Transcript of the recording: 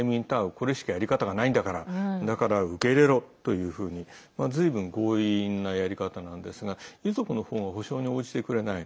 これしかやり方がないんだからだから受け入れろというふうにずいぶん強引なやり方なんですが遺族の方が補償に応じてくれない。